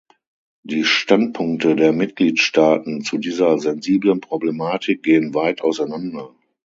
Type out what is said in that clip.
Die Standpunkte der Mitgliedstaaten zu dieser sensiblen Problematik gehen weit auseinander.